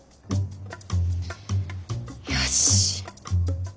よし。